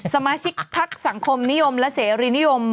สมาชิกพักสังคมนิยมและเสรีนิยม